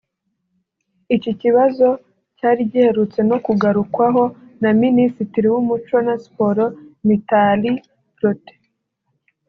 Iki kibazo cyari giherutse no kugarukwaho na Minisitiri w’Umuco na Siporo Mitali Protais